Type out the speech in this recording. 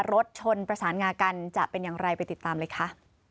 รถชนประสานงากันจะเป็นอย่างไรไปติดตามเลยค่ะ